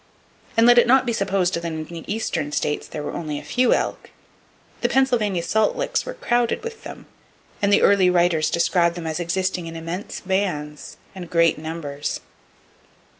And let it not be supposed that in the eastern states there were only a few elk. The Pennsylvania salt licks were crowded with them, and the early writers describe them as existing in "immense bands" and "great numbers."